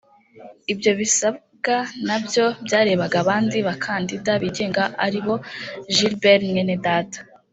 Ibyo bisabwa nabyo byarebaga abandi bakandida bigenga aribo Gilbert Mwenedata